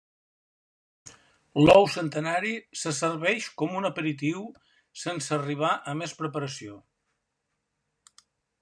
L'ou centenari se serveix com un aperitiu sense arribar a més preparació.